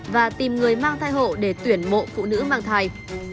và tìm người mang thai hộ để tuyển mộ phụ nữ mang thai